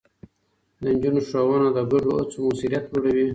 د نجونو ښوونه د ګډو هڅو موثريت لوړوي.